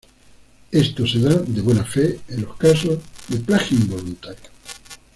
Esto se da, de buena fe, en los casos de plagio involuntario.